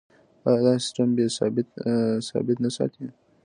آیا دا سیستم بیې ثابت نه ساتي؟